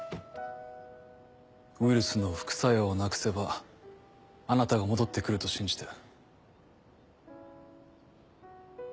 ウイルスの副作用をなくせばあなたが戻って来ると信じて。